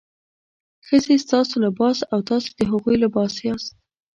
ښځې ستاسو لباس او تاسې د هغوی لباس یاست.